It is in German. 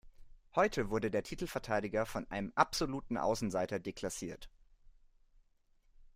Heute wurde der Titelverteidiger von einem absoluten Außenseiter deklassiert.